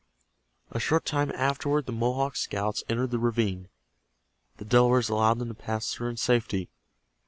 A short time afterward the Mohawk scouts entered the ravine. The Delawares allowed them to pass through in safety.